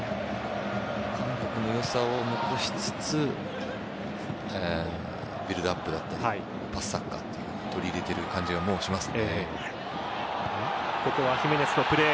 韓国のよさを残しつつビルドアップだったりパスサッカーを取り入れている感じがします。